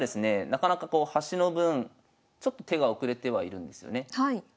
なかなかこう端の分ちょっと手が遅れてはいるんですよね。